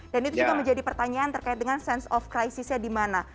dan itu juga menjadi pertanyaan terkait dengan sense of crisisnya di mana